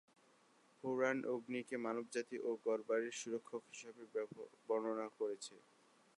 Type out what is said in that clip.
পুরাণ অগ্নিকে মানবজাতি ও ঘরবাড়ির সুরক্ষক হিসেবে বর্ণনা করেছে।